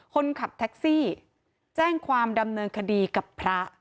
คนขับแท็กซี่แจ้งความดำเนินคดีกับพระ